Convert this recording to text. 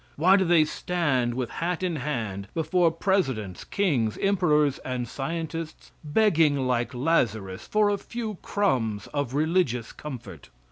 Why do they stand with hat in hand before presidents, kings, emperors and scientists, begging like Lazarus for a few crumbs of religious comfort?